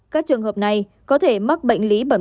các trường hợp này có thể mắc bệnh lý bẩm